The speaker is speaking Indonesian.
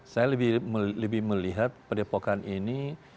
saya lebih melihat pak depokan ini